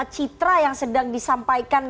citra yang sedang disampaikan